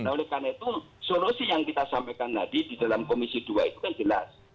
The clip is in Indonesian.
nah oleh karena itu solusi yang kita sampaikan tadi di dalam komisi dua itu kan jelas